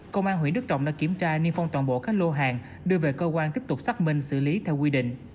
công an huyện đức trọng đã kiểm tra niêm phong toàn bộ các lô hàng đưa về cơ quan tiếp tục xác minh xử lý theo quy định